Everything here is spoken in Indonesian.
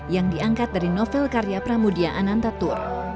yang diangkat dari novel karya pramudia anantatur